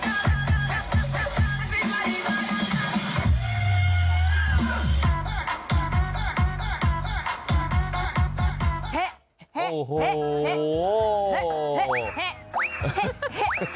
ในวันอาชิมส์ไฟเว้นตัวล่าวอัลหิ่น